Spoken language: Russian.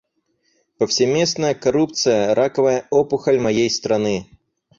Повсеместная коррупция — раковая опухоль моей страны.